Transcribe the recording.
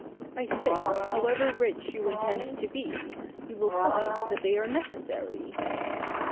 ' I think, however rich you intend to be, you will find that they are necessary."